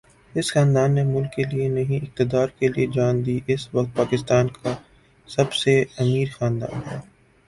اس خاندان نے ملک کے لیے نہیں اقتدار کے لیے جان دی اس وقت پاکستان کا سب سے امیر خاندان ہے